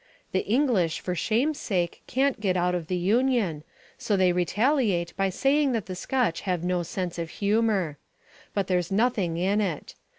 The English for shame's sake can't get out of the Union, so they retaliate by saying that the Scotch have no sense of humour. But there's nothing in it.